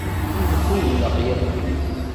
Yemxudneq yixef-is.